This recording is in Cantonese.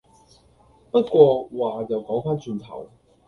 不過話又講番轉頭